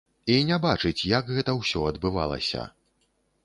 І не бачыць, як гэта ўсё адбывалася.